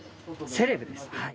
セレブですはい。